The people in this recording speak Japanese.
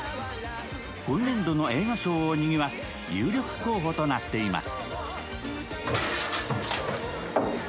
今年度の映画賞をにぎわす有力候補となっています。